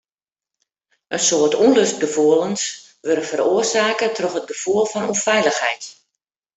In soad ûnlustgefoelens wurde feroarsake troch it gefoel fan ûnfeilichheid.